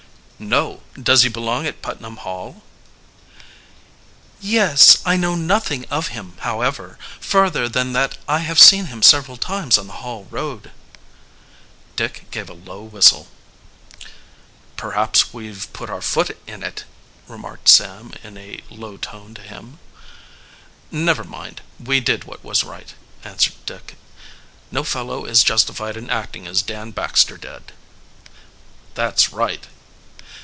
"No. Does he belong at Putnam Hall?" "Yes. I know nothing of him, however, further than that I have seen him several times on the Hall road." Dick gave a low whistle. "Perhaps we've put our foot in it," remarked Sam in a low tone to him. "Never mind; we did what was right," answered Dick. "No fellow is justified in acting as Dan Baxter did." "That's right."